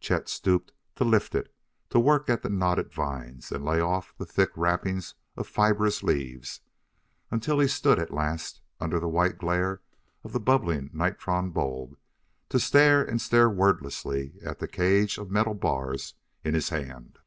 Chet stooped to lift it, to work at the knotted vines and lay off the thick wrappings of fibrous leaves, until he stood at last, under the white glare of the bubbling nitron bulb, to stare and stare wordlessly at the cage of metal bars in his hand.